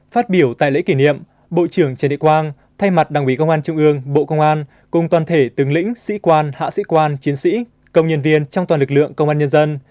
phát biểu tại lễ kỷ niệm bộ trưởng trần địa quang thay mặt đảng ủy công an trung ương bộ công an cùng toàn thể tướng lĩnh sĩ quan hạ sĩ quan chiến sĩ công nhân viên trong toàn lực lượng công an nhân dân